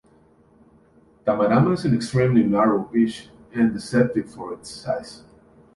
Tamarama is an extremely narrow beach and deceptive for its size.